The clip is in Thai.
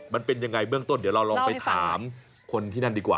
มันเป็นยังไงเบื้องต้นเดี๋ยวเราลองไปถามคนที่นั่นดีกว่า